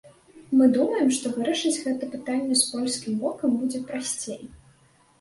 Мы думаем, што вырашыць гэта пытанне з польскім бокам будзе прасцей.